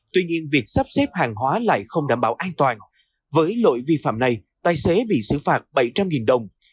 tuy nhiên việc sắp xếp hàng hóa lại không đảm bảo an toàn với lỗi vi phạm này tài xế bị xử phạt bảy trăm linh đồng